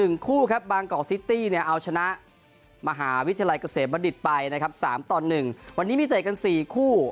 เอาชนะมหาวิทยาลัยเกษตรบรรดิตไปนะครับ๓ตอน๑วันนี้มีเตะกัน๔คู่